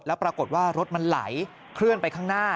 แล้วปรากฏว่ารถมันไหลเคลื่อนไปข้างหน้า